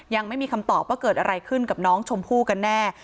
ยังไม่มีคำตอบว่าเกิดอะไรขึ้นกับน้องชมพู่กันแน่